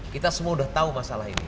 kita semua sudah tahu masalah ini